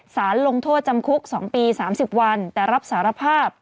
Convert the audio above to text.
สารลงโทษจำคุก๒ปี๓๐วันแต่รับสารภาพ